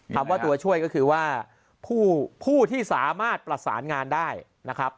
คำว่าตัวช่วยก็คือว่าผู้ที่สามารถประสานงานได้นะครับ